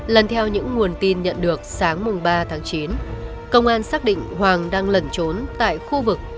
lần theo những nguồn tin nhận được sáng ba tháng chín công an xác định hoàng đang lẩn trốn tại khu vực